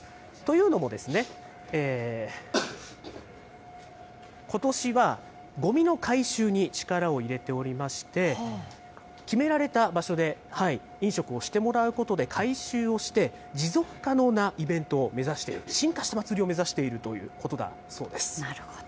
というのも、ことしはごみの回収に力を入れておりまして、決められた場所で飲食をしてもらうことで回収をして、持続可能なイベントを目指している、進化したまつりを目指しているということなんだそうです。